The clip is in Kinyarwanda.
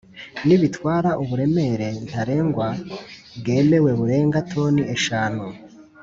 nibitwara uburemere ntarengwa bwemewe burenga toni eshanu